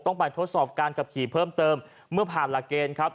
ต้องไปทดสอบการขับขี่เพิ่มเติมเมื่อผ่านหลักเกณฑ์ครับ